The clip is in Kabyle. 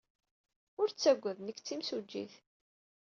Ur ttaggad. Nekk d timsujjit.